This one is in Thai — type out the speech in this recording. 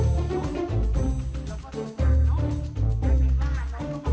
เพื่อนรับทราบ